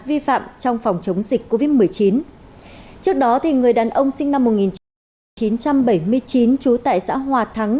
vi phạm trong phòng chống dịch covid một mươi chín trước đó người đàn ông sinh năm một nghìn chín trăm bảy mươi chín trú tại xã hòa thắng